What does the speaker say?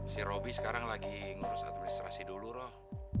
si robi sekarang lagi ngerus administrasi dulu loh